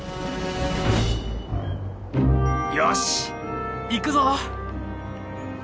よし行くぞ！